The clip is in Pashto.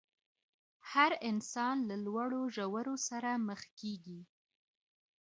هر انسان له لوړو ژورو سره مخ کېږي.